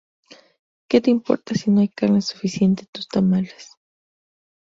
Que te importa si no hay carne suficiente tus tamales.